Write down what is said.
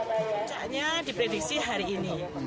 puncaknya diprediksi hari ini